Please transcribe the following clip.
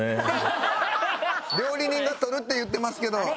料理人が取るって言ってますけど。